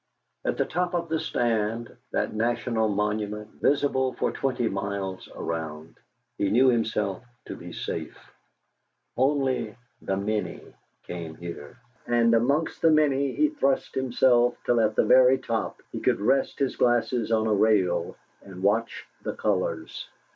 At the top of the stand that national monument, visible for twenty miles around he knew himself to be safe. Only "the many" came here, and amongst the many he thrust himself till at the very top he could rest his glasses on a rail and watch the colours.